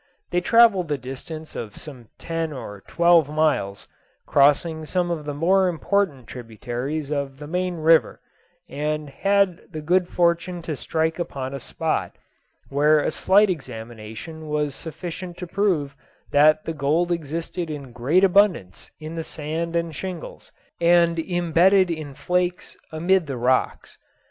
They travelled the distance of some ten or twelve miles, crossing some of the more important tributaries of the main river, and had the good fortune to strike upon a spot where a slight examination was sufficient to prove that the gold existed in great abundance in the sand and shingles, and imbedded in flakes amid the rocks.